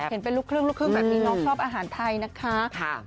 เห็นเป็นลูกครึ่งลูกครึ่งแบบนี้น้องชอบอาหารไทยนะคะ